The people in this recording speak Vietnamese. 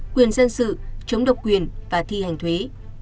quyền dân sự chống độc quyền và thi hành thuế